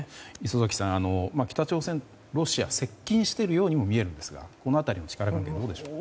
礒崎さん、北朝鮮はロシアに接近しているようにも見えるんですがこの辺りの力関係どうでしょう。